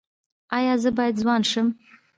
ایا زه باید ځوان شم؟